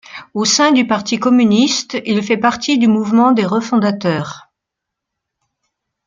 Au sein du Parti communiste, il fait partie du mouvement des refondateurs.